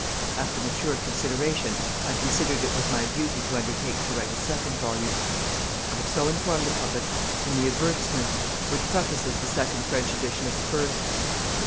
After mature consideration, I considered it was my duty to undertake to write a second volume. I have so informed the public in the Advertisement which prefaces the second French edition of the first.